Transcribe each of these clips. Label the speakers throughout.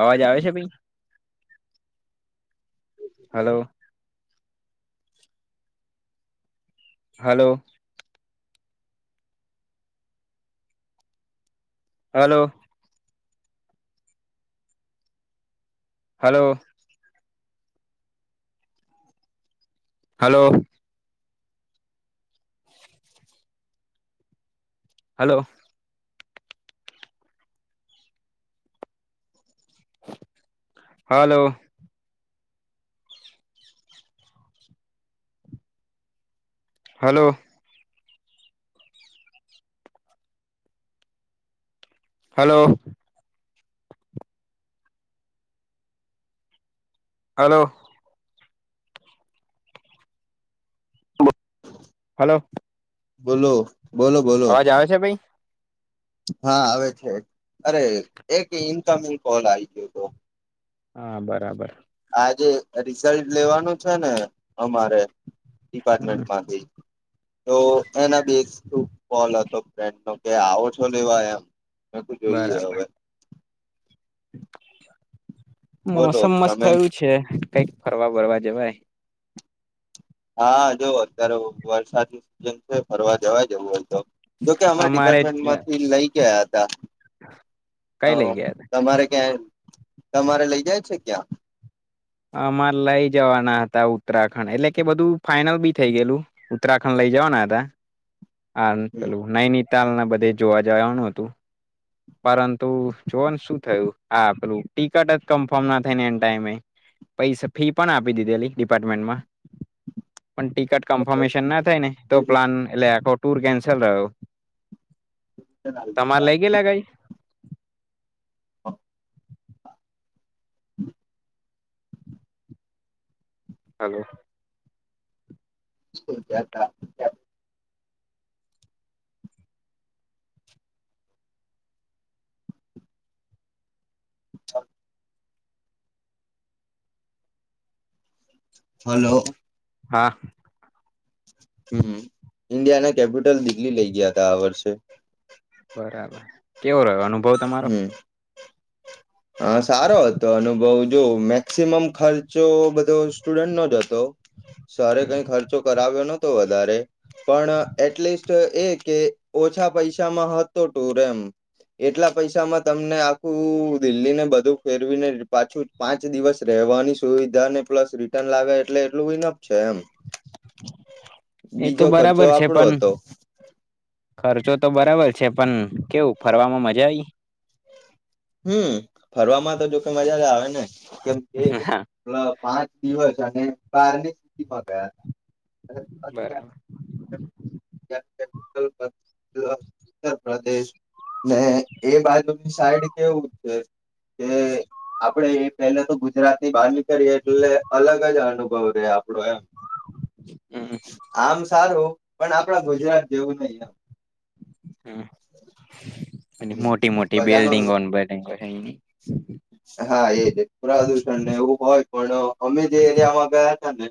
Speaker 1: અવાજ આવે છે ભાઈ hello hello hello hello hello hello hello hello hello hello hello
Speaker 2: બોલો બોલો બોલો
Speaker 1: અવાજ આવે છે ભાઈ
Speaker 2: હા આવે છે અરે એક ઇનકમિંગ કોલ આવી ગયો હતો
Speaker 1: હા બરાબર
Speaker 2: આજે રિઝલ્ટ લેવાનું છે ને અમારે ડીપાર્ટમેન્ટમાંથી તો એના બેસ્તુ કોલ હતો ફ્રેન્ડ નો કે આવો છો લેવા એમ માફ કીધું જોઈએ
Speaker 1: બરાબર
Speaker 2: હવે
Speaker 1: [inaudible]
Speaker 2: બોલો
Speaker 1: મોસમ મસ્ત
Speaker 2: તમે
Speaker 1: થયું છે કઈક ફરવા બરવા જવાય
Speaker 2: હા જોવ અત્યારે વરસાદની સિઝન છે ફરવા જવા જવું હોય તો જોકે અમે
Speaker 1: અમારે
Speaker 2: ડિપાર્ટમેન્ટ માંથી લઈ ગયા હતા
Speaker 1: કઈ
Speaker 2: અચ્છા હ
Speaker 1: લઈ ગયા
Speaker 2: તમારે ક્યાં તમારે લઇ જાય છે ક્યાં
Speaker 1: અમારે લઈ જવાના હતા ઉત્તરાખંડ એટલે કે બધું ફાાઈનલ બી થઇ ગયેલું ઉત્તરાખંડ લઈ જવાના હતા હાલ નઈનીિત તાલ ના બધે જોવા જવાનું હતું પરંતુ જોવાનું શું થયું આ આપલું ટિકટ જ કન્ફર્મ ના થઈને એ ટાઈમે પૈસા ફી પણ આપી દીધેલી ડિપાર્ટમેન્ટમાં પણ ટિકટ કન્ફર્મેશન ના થાય ને તો પ્લાન એો ટૂર કેન્સલ રહ્યો તમારે લઇ ગેલા ગાઈ
Speaker 2: [inaudible]
Speaker 1: હલો
Speaker 2: શ ક ચાલ હલો
Speaker 1: હા
Speaker 2: હમ ઈન્ડિયા ના કેપિટલ દિલ્લી લઇ ગયા ત આ વર્ષે
Speaker 1: બરાબર કેવો રહ્યો અનુભવ તમારો
Speaker 2: હા સારો હતો અનુ બઉ જો મેક્સિમમ ખર્ચો બધો સ્ટુડન્ટનોો જ હતો સરે કઈ ખર્ચો કરાવ્યો ન વધ પણ એટલીસ્ટ એ કે ઓછા પૈસામાં હતો ટુર એમ એટલા પૈસામાં તમને આખું દિલ્હીને બધું ફેરવીને પાછું પાંચ દિવસ રહેવાની સુવિધા ને પ્લસ રિટર્ન લાવે એટલે એટલું વિનપ છે એમ
Speaker 1: એ તો
Speaker 2: બીજો ખર્ચો
Speaker 1: બરાબર છે
Speaker 2: આપડો
Speaker 1: પણ
Speaker 2: હતો
Speaker 1: ખર્ચો તો બરાબર છે પણ કેવું ફરવામાં મજા આવી
Speaker 2: હમ ફરવામાં તો જોકે મજા આવે ને કેમ કે
Speaker 1: હા
Speaker 2: હ પાંચ દિવસ અને બારની સ્િતિમાં ગયા હતા
Speaker 1: બરાબર
Speaker 2: ર પ્રદેશ ને એ બાજુની સાઈડ કેવું છે કે આપડે એ પેલા તો ગુજરાતીની બાર ની કરીએ એટલે અલગ જ અનુભવ રહે આપડો એમ
Speaker 1: હમ
Speaker 2: આમ સારું પણ આપણા ગુજરાત જેવું નહીિ એમ
Speaker 1: હા અને મોટી મોટી
Speaker 2: બધાનો
Speaker 1: બિલ્ડિંગોન બને [inaudible]
Speaker 2: હા એજ પ્રદુષણ ને એવું હોય પણ અમે જે એરિયામાં ગયા હતા ને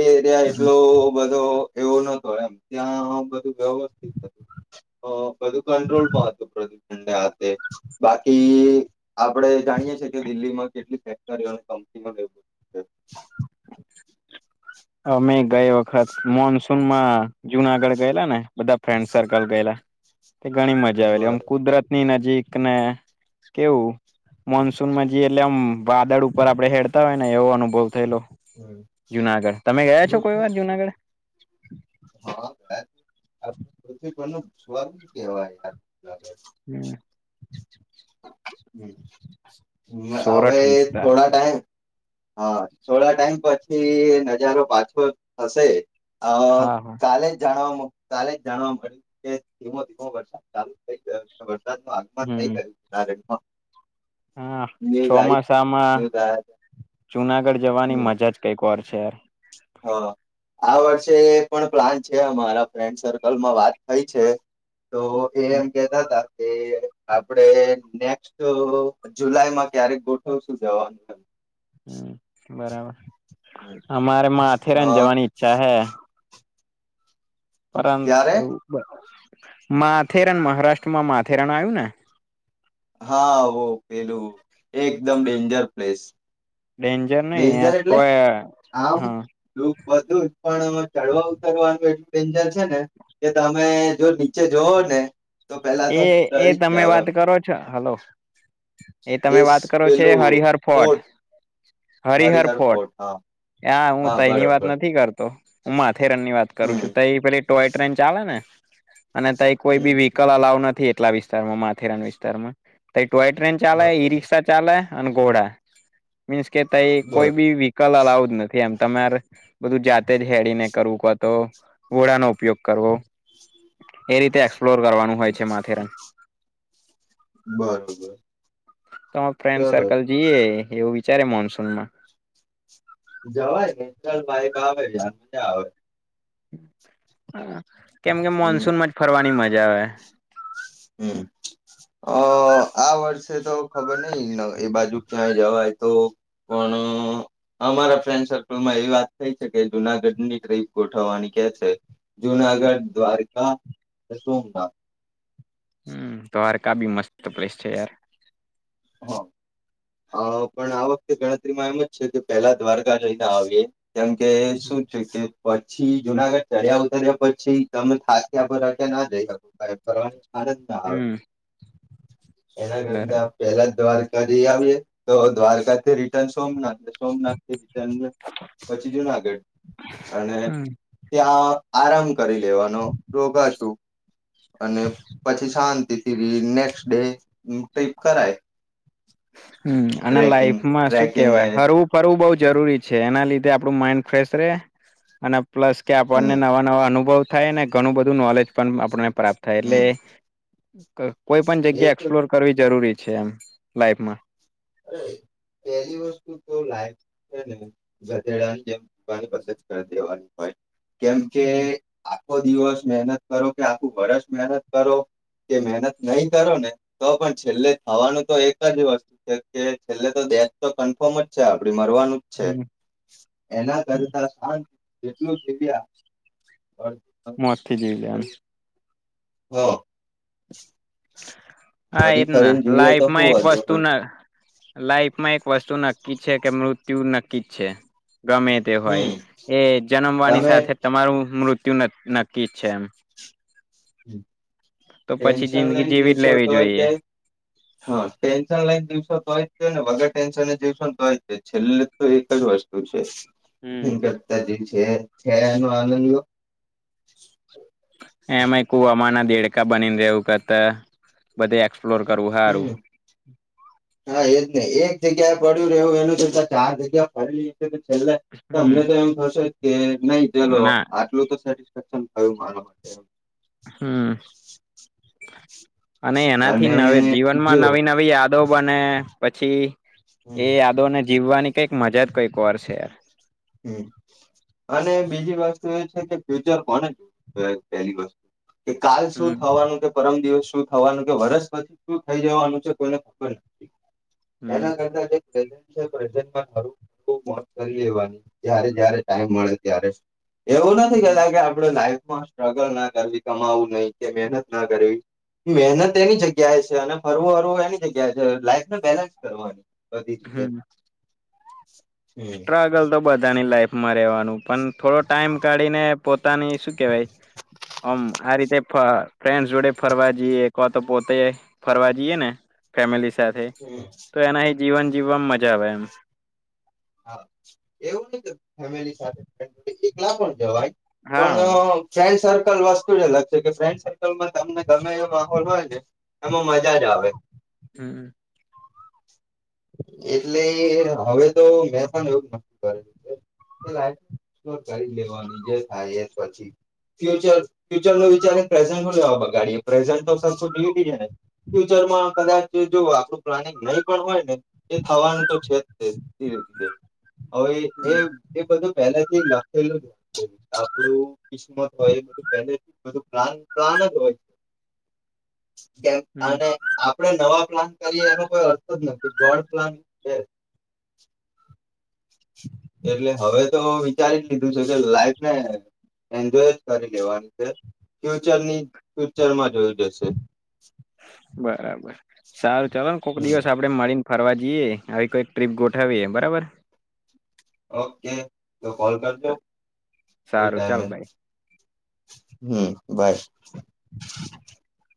Speaker 2: એ એરિયા એટલો બધો એવું નતો એમ ત્યાં બધું વ્યવસ્થિત હતું બધું કંટ્રોલમાં હતું પ્રદુષણને હથે બાકી આપડે જાણીયે છે કે દિલ્હીમાં કેટલી ફેક્ટરીઓ કંપનીઓ લેવ
Speaker 1: હ મેઘ ગઈ વખત મોન માં જુનાગઢ ગયેલા ને બધા ફ્રેન્ડ સર્કલ ગયેલા તે ઘણી મજા
Speaker 2: છે
Speaker 1: આવેલી અમ
Speaker 2: બરોબર
Speaker 1: કુદરત ની ન કને કેવું મોનસૂન માં જે એટલે આમ વાદળ ઉપર આપડે હેડતા હોય ને એવો અનુભવ થયેલો
Speaker 2: હમ.
Speaker 1: જુનાગઢ તમે ગયા છો કોઈ
Speaker 2: પૃથ્વી
Speaker 1: વાર જુનાગઢ
Speaker 2: હા પૃથ્વી પર સ્વરગ કેવાથ યાર [inaudible] હમ હમ હવે
Speaker 1: સોરઠ વિસ્તાર
Speaker 2: થોડા ટાઈમ હા થોડા ટાઈમ પછી નજારો પાછો થશે અ
Speaker 1: હા હા
Speaker 2: કાલે જ જાણવા મ કાલે જાણવા મળ્યું કે ધીમો ધીમો વરસાદ ચાલુ થઈ ગયો વરદ નું આગમન નઈ
Speaker 1: હમ
Speaker 2: ગર્યું [inaudible]
Speaker 1: હા ચોમાસામાં
Speaker 2: ન્યૂઝ આયા તા
Speaker 1: જુનાગઢ જવાની મજા જ કઈકર છે. [inaudible]
Speaker 2: હ આ વર્ષે એ પણ પ્લાન છે અમારા ફ્રેન્ડ સર્કલ માં વાત થઈ છે. તો એ એમ કેતા હતા. કે આપડે નેક્સ્ટ જુલાઈમાં ક્યારેક ગોઠવશું જવાનું
Speaker 1: બરાબર
Speaker 2: એમ
Speaker 1: અમારે મામાં
Speaker 2: હ
Speaker 1: આથેરાન જવાની ઈચ્છા હૈ પરંતુ
Speaker 2: ક્યારે
Speaker 1: એ માથેરાન મહારાષ્ટ્રમાં માથેરાન આવ્યું ને
Speaker 2: હા ઓ પેલું એકદમ ડેન્જર પ્લેસ
Speaker 1: ડેન્જર નહી એ
Speaker 2: ડેન્જર એટલે
Speaker 1: કોય.
Speaker 2: આમ
Speaker 1: હા.
Speaker 2: ડૂબ બધું જ પણ ચડવા ઉતરવાનું એટલું ડેન્જર છે ને કે તમે જો નીચે જાવ ને તો પેલા
Speaker 1: એ
Speaker 2: તો
Speaker 1: એ
Speaker 2: ડરી જ
Speaker 1: તમે
Speaker 2: જાવ
Speaker 1: વાત
Speaker 2: એમ
Speaker 1: કરો છો. હાલો. એ તમે વાત કરો છે એ હરિહર ફોર્ટ. હરિહર ફોર્ટ આ હું
Speaker 2: હા
Speaker 1: તઈની વાત
Speaker 2: બરોબર
Speaker 1: નથી કરતો. ઉમા રન ની વાત કરું
Speaker 2: હમ
Speaker 1: છું તો એ પેલી ટોય ટ્રેન ચાલે ને અને તઈ કોઈ
Speaker 2: હમ.
Speaker 1: બી વી [unintelligible] લાવ નથી. કેટલા વિસ્તાર માં માથેરાન વિસ્તારમાં કઈ ટોય ટ્રેન ચાલે,
Speaker 2: બરોબર
Speaker 1: ઈ રિક્ષા ચાલે અને ગોડા. મીન્સ કે તઈ કોઈ
Speaker 2: બરોબર
Speaker 1: બી વ્હીકલ અલાઉ જ નથી એમ. તમારે બધું જાતે જ હળી ને કરવું પડે તો ઘોડા નો ઉપયોગ કરવો. એ રીતે એક્સપ્લોર કરવાનો
Speaker 2: બરોબર.
Speaker 1: તમા ફ્રેન્ડ
Speaker 2: સરસ
Speaker 1: સર્કલ જઈએ એવું વિચારે મોનસૂનમાં.
Speaker 2: જવાયલ પાઈપ આવે જ મજા આવે.
Speaker 1: હા. કેમ કે
Speaker 2: હમ
Speaker 1: મોન્સૂનમાં જ ફરવાની મજા આવે.
Speaker 2: હમ્મ, અ આ વર્ષે તો ખબર નઈ એબાજુ ક્યાંય જવાય તો પણ અમારા ફ્રેન્ડ સર્કલમાં એવી વાત થઈ છે કે જૂનાગઢની ટ્રીપ ગોઠવવાની કે છે. જૂનાગઢ, દ્વાર કા અન સોમનાથ.
Speaker 1: હમ્મ, દ્વારકા બી મસ્ત તો પ્લેસ છે યાર.
Speaker 2: હા. હા, પણ આ વખતે ગણતરીમાં એમ જ છે કે પેલા દ્વારકા જઈને આવીએ કેમ કે શું છે કે પ પછી જૂનાગઢ ચડ્યા ઉતર્યા પછી તમે ખાસ ત્યાં પર નાં જઈ શકો [unintelligible] આનંદમાં આવ.
Speaker 1: હમ
Speaker 2: એના
Speaker 1: બરાબર
Speaker 2: કરતા પેલા દ્વાર કરી આવીએ તો દ્વારકાથી રી સોમનાથ. સોમનાથથી જાઈએ પછી જૂનાગઢ અને
Speaker 1: હમ
Speaker 2: ત્યાં આરામ કરી લેવાનો રોકા છું. અને પછી શાંતિ. નેક્સ્ટ ડે ટીપ કરાય.
Speaker 1: હમ અને
Speaker 2: ટ્રેકિંગ
Speaker 1: લાઈફમાં શું
Speaker 2: ટ્રેકિંગ ને
Speaker 1: કેવાય હરવું ફરવું બો જરૂરી છે એના લીધે આપણું માઈન્ડ ફ્રેશ રે અને પ્લસ કે આપણને
Speaker 2: હમ
Speaker 1: નવા નવા અનુભવ થાયને ઘણું બધું નોલેજ પણ આપણે પ્રાપ્ત થાય એટલે
Speaker 2: હમ
Speaker 1: [unintelligible] કોઈ પણ
Speaker 2: એ
Speaker 1: જગ્યા
Speaker 2: તો
Speaker 1: એક્સપ્લોર કરવી જરૂરી છે. છે એમ. લાઈફમાં.
Speaker 2: એય પેલી વસ્તુતો લાઈફ છેને ગધેડાની જેમ [unintelligible] કરી દેવાની હોય. કેમ કે
Speaker 1: હમ
Speaker 2: આખો દિવસ મહેનત કરો કે આખું વર્ષ મહેનત કરો કે મહેનત નય કરોને તો પણ છેલ્લે થવાનું તો એક જ વસ્તુ. કે છેલ્લે તો દેટ તો કન્ફર્મ જ છે આપડી. મરવાનું જ છે
Speaker 1: હમ
Speaker 2: એના કરતા શાંત જેટલું છે ત્યાં.
Speaker 1: મોત થેય જેય જાણે.
Speaker 2: હા
Speaker 1: હા એજ ના
Speaker 2: તો
Speaker 1: લાઈફમાં
Speaker 2: શું
Speaker 1: એક
Speaker 2: વાંધો
Speaker 1: વસ્તુ
Speaker 2: હોય
Speaker 1: ના લાઈફમાં વસ્તુ નક્કી છે કે મૃત્યુ ન ી છે ગમે તે
Speaker 2: હમ
Speaker 1: હોય એ જન્મવાની
Speaker 2: તમે
Speaker 1: સાથે તમારું મૃત્યુ ું નક્કી જ છે એમ
Speaker 2: [inaudible]
Speaker 1: તો પછી
Speaker 2: ટેન્શન
Speaker 1: જિંદગી
Speaker 2: લઈને
Speaker 1: જીવી જ
Speaker 2: દિવસો
Speaker 1: લેવી
Speaker 2: તો હોય તે
Speaker 1: જોઈએ.
Speaker 2: હા ટેન્શન લઈન દસ તોય ને વગર ટેન્શન જઈશો તોય છેલ્લે તો એક જ વસ્તુ છે
Speaker 1: હમ્મ.
Speaker 2: હમ કરતા જ જે છે એનો આનંદ લયો
Speaker 1: એમાં કુવામાં ના દેડકા બનીને રહ્યું કરતા બધ એસપ્લોર કરવું
Speaker 2: હમ
Speaker 1: હેારું
Speaker 2: હા એજ એક જગ્યાએ પડ્યું રહવું એનું કરતા ચાર જગ્યા પ છે તો
Speaker 1: હમ્મ
Speaker 2: અમને તો એમ થશે કે નહી ચલો
Speaker 1: ના
Speaker 2: આટલું તો સેટસફેક્શન. હવે મારો માટે.
Speaker 1: હમ. અને એનાથી નવે જીવનમાં
Speaker 2: જો
Speaker 1: નવી નવી. ખડો બને પછી. એ
Speaker 2: હમ
Speaker 1: અદોને. જીવવાની કઈક મજા જ કઈક વાર છે યાર.
Speaker 2: હ અને બીજી વસ્તુ એ છે કે ફ્યુચર કોને જોયું પહેલી વસ્તુ. કે કાલ શું
Speaker 1: હમ્મ
Speaker 2: થવાનું કે પરમ દિવસ. શું થવાનું કે વર્ષ પછી શું થઈ જવાનું છે કોઈને ખબર નથી.
Speaker 1: હમ્મ
Speaker 2: એના કરતાે છે. જાર મોત કરી લેવાની. તય્યારે જ્યારે ટાઈમ મળે ત્યારે. એવું નથી
Speaker 1: હમ્મ
Speaker 2: કેતા કે આપડું લાઈફ. સ્ટ્રગલ ના કરવી કમાવું નહી કે મહેનત ના કરવી મહેનત એની જગ્યાએ છે અને ફરવું ફરવું એની જગ્યાએ છે લાઈફને બેલેન્સ કરવાની. વધદીી રીધ છે. [inaudible]
Speaker 1: હમ્મ. સ્ટ્રગલ તો બધાની લાઈફ. રહેવાનું પણ થોડો ટાઈમ કાઢીને પોતાની શું કેવાય આમ આ રીતે ફ્રેન્ડસ જોડે ફરવા જઈએવા તો પોતે ફરવા જઈએ ને ફેમિલી. સાથે તો એના. જીવન જીવવામાં મજા આવે એમ--.
Speaker 2: હા એવું નઈ ફેમિલી સાથે એકલા પણ જવાય--.
Speaker 1: હા
Speaker 2: પણ ફ્રેન્ડ સ--. સર્કલ વસ્તુ જ અલગ છે કે ફ્રેન્ડ સર્કલ મા. તમને ગમે એ માહોલ હોય ને એમાં મજા જ આવે.
Speaker 1: હમ
Speaker 2: એટલે હવે--. તો મે પણ એવું [inaudible] કરેું છે [inaudible] કરી લેવાની જે થાય એ પછી ફર ફ્યચર ન વિચાર પ્રેઝ લેવા બગાડીએ પ્રેઝન્ટ તો સરું જ ને ફ્યુચરમાં કદાચ જો આપડું પ્લાનિંગ નહીં પણ હોય ને એ થવાનું તો છે. ધીરે ધીરે હવે એ એ બધું પેલા. એ લખેલું જ આપડું--. કિસ્મત હોય એ બધુ [inaudible] [unintelligible] હોય--. કેમ
Speaker 1: હમ
Speaker 2: આને આપડે નવા--. પ્લાન કરીએ એનો કોઈ અર્થ જ નથી ગોડ પ્લાન છે--. [inaudible] એટલે હવે તો વિચારી લીધું છે કે લાઈફ ને એન્જોય જ કરી લેવાની છે ફ્યુચરની ફ્યુચરમાં જોઈ લેશે
Speaker 1: બરાબર સારું ચાલો ને કોક દિવસ આપડે મળીને ફરવા જઈએ આવી કોઈક ટ્રીપ ગોઠવીએ બરાબર
Speaker 2: ઓ કે તો કોલ કરજો એ
Speaker 1: સારું ચાલ
Speaker 2: ટાઈમે
Speaker 1: બાય
Speaker 2: હમ બાઈ
Speaker 1: [inaudible]